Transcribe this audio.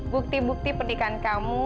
bukti bukti pernikahan kamu